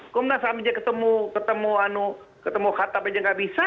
kok benar benar ketemu khatab aja enggak bisa